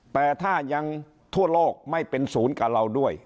แต่ถ้ายังทั่วโลกไม่เป็นศูนย์กับเราด้วย